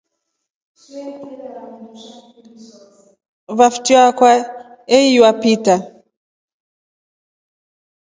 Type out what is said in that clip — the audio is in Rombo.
Vafitrio akwa eywa peter.